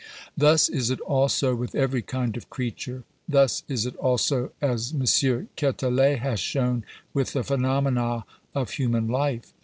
Thus is it also with every kind of creature. Thus is it also, as M. Quetelet has shown, with the phenomena of human life.